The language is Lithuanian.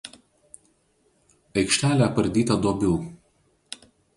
Aikštelė apardyta duobių.